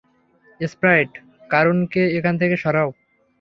Sprite, কারুনকে এখান থেকে সরাও!